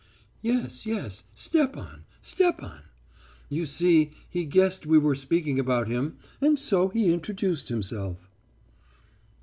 "'Yes, yes, Stepan, Stepan.... You see, he guessed we were speaking about him and so he introduced himself.'